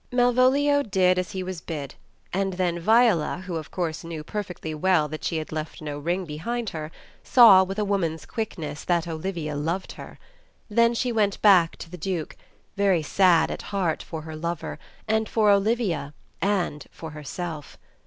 Malvolio did as he was bid, and tjien Viola, who of course knew perfectly well that she had left no ring behind her, saw with a woman's quickness that Olivia loved her. Then she went back to the Duke, very sad at heart for her lover, and for Olivia, and for herself.